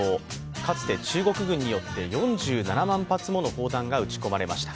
かつて中国軍によって４７万発もの砲弾が撃ち込まれました。